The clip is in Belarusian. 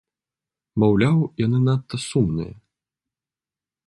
Маўляў, яны надта сумныя.